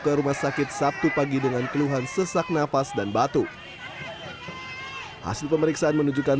ke rumah sakit sabtu pagi dengan keluhan sesak nafas dan batu hasil pemeriksaan menunjukkan